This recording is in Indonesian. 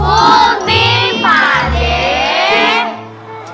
full team padeh